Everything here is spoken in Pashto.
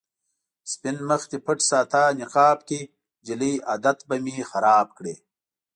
سپين مخ دې پټ ساته نقاب کې، جلۍ عادت به مې خراب کړې